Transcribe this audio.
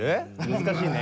難しいね。